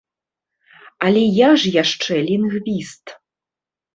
Але я ж яшчэ лінгвіст.